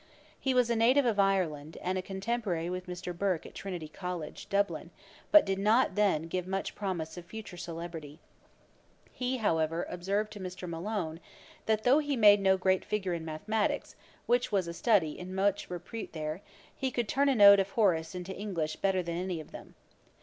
He was a native of Ireland, and a contemporary with Mr. Burke at Trinity College, Dublin, but did not then give much promise of future celebrity. He, however, observed to Mr. Malone, that 'though he made no great figure in mathematicks, which was a study in much repute there, he could turn an Ode of Horace into English better than any of them.'